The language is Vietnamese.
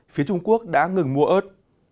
phía trung quốc đã ngừng mua ớt